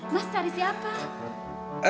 mas tadi siapa